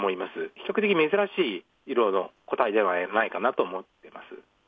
比較的珍しい色の個体ではないかなと思ってます。